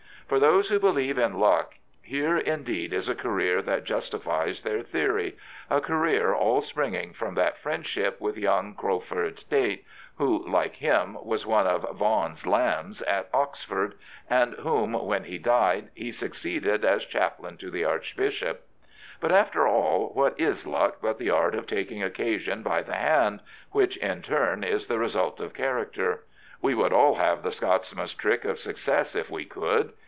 For those who believe in luck here indeed is a career that justifies their theory — a career all springing from that friendship with young Crauford Tait, who, like him, was one of Vaughan's lambs " at Oxford, and whom, when he died, he succeeded as chaplain to the Archbishop. But, after all, what is luck but the art of taking occasion by the hand, which in turn is the result of character? We would all have the Scots man's trick of success if we could.